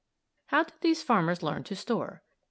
HOW DID THESE FARMERS LEARN TO STORE?